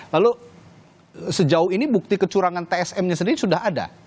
lalu sejauh ini bukti kecurangan tsm nya sendiri sudah ada